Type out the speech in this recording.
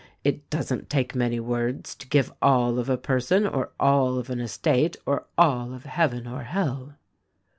It doesn't take many words to give all of a person or all of an estate or all of Heaven or Hell."